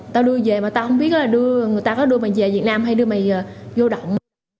tao đưa về mà tao không biết là người ta có đưa mày về việt nam hay đưa mày vô động